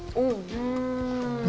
うん。